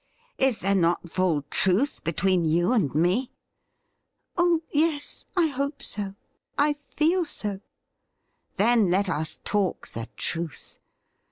' Is there not full truth between you and me .?'' Oh yes, I hope so — I feel so.' ' Then, let us talk the truth.